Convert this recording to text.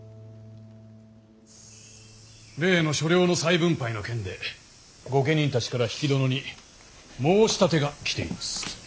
例の所領の再分配の件で御家人たちから比企殿に申し立てが来ています。